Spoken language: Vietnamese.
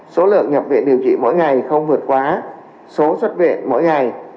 số lượng nhập viện điều trị mỗi ngày không vượt quá số xuất viện mỗi ngày